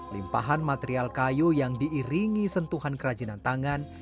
limpahan material kayu yang diiringi sentuhan kerajinan tangan